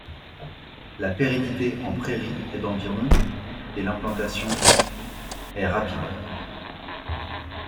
La pérennité en prairie est d'environ et l'implantation est rapide.